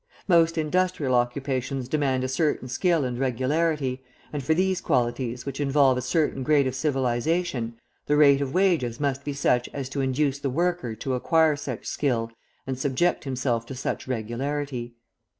Most industrial occupations demand a certain skill and regularity, and for these qualities which involve a certain grade of civilisation, the rate of wages must be such as to induce the worker to acquire such skill and subject himself to such regularity.